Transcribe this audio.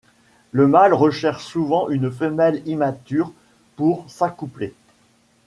Le mâle recherche souvent une femelle immature pour s'accoupler.